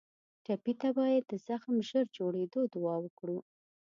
ټپي ته باید د زخم ژر جوړېدو دعا وکړو.